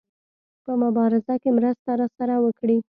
په مبارزه کې مرسته راسره وکړي.